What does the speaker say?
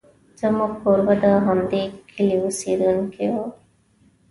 زموږ کوربه د همدې کلي اوسېدونکی و.